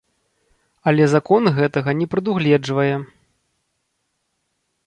Але закон гэтага не прадугледжвае.